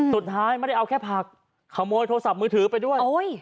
สุดท้ายไม่ได้เอาแค่ผักขโมยโทรศัพท์มือถือไปด้วยโอ้ย